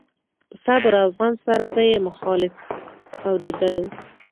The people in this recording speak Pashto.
په صبر او زغم سره به يې مخالف اورېدلو.